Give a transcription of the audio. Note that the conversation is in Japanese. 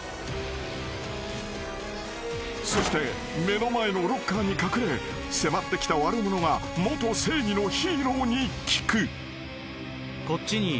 ［そして目の前のロッカーに隠れ迫ってきた悪者が元正義のヒーローに聞く］